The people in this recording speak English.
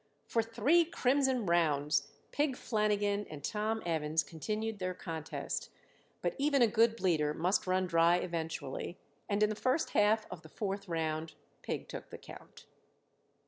For three crimson rounds Pig Flanagan and Tom Evans continued their contest, but even a good bleeder must run dry eventually, and in the first half of the fourth round Pig took the count.